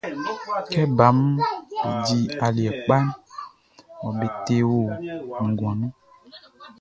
Kɛ baʼm be di aliɛ kpa mɔ be te o nguan nunʼn.